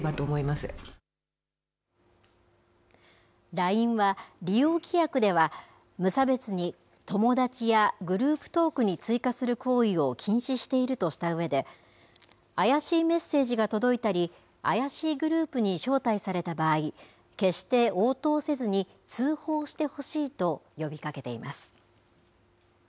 ＬＩＮＥは、利用規約では、無差別に友だちやグループトークに追加する行為を禁止しているとしたうえで、怪しいメッセージが届いたり、怪しいグループに招待された場合、決して応答せずに通報してほしいと呼びかけています。